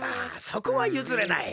そこはゆずれない。